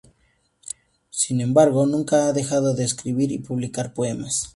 Sin embargo, nunca ha dejado de escribir y publicar poemas.